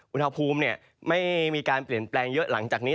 อุณหภูมิไม่มีการเปลี่ยนแปลงเยอะหลังจากนี้